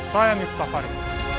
saya nita fadil